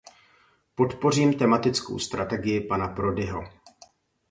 Podpořím tematickou strategii pana Prodiho.